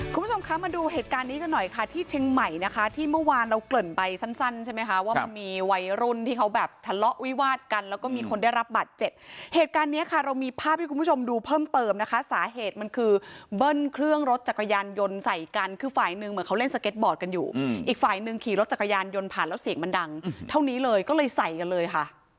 คุณผู้ชมค่ะมาดูเหตุการณ์นี้กันหน่อยค่ะที่เชียงใหม่นะคะที่เมื่อวานเราเกริ่นไปสั้นใช่ไหมคะว่ามีวัยรุ่นที่เขาแบบทะเลาะวิวาดกันแล้วก็มีคนได้รับบัตรเจ็ดเหตุการณ์เนี้ยค่ะเรามีภาพให้คุณผู้ชมดูเพิ่มเติมนะคะสาเหตุมันคือเบิ้ลเครื่องรถจักรยานยนต์ใส่กันคือฝ่ายหนึ่งเหมือนเขาเล่นสเก็ตบ